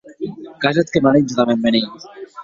Qu’as hèt que m’anutja damb eth mèn hilh.